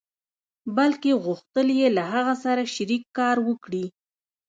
بلکې غوښتل يې له هغه سره شريک کار وکړي.